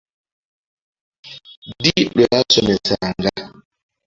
Ddi lwe baasomesanga?